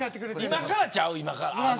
今からちゃう。